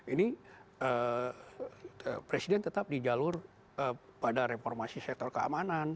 ini presiden tetap di jalur pada reformasi sektor keamanan